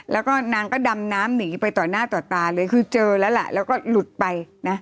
แล้วก็นางก็ดำน้ำหนีไปต่อหน้าต่อตาเลยคือเจอแล้วล่ะแล้วก็หลุดไปนะ